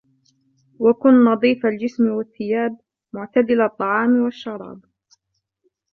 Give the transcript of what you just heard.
وكن نظيف الجسم والثيابِ معتدل الطعام والشرابِ